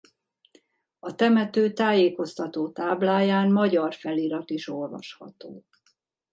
A temető tájékoztató tábláján magyar felirat is olvasható.